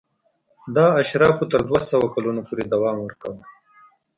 دا اشرافو تر دوه سوه کلونو پورې دوام ورکاوه.